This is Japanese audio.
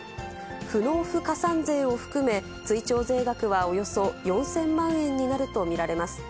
不納付加算税を含め追徴税額はおよそ４０００万円になると見られます。